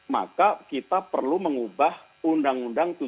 maka kita perlu mengubah undang undang tujuh belas dua ribu tiga